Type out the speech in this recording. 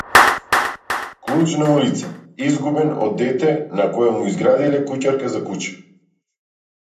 Клуч на улица, изгубен од дете на кое му изградиле куќарка за куче.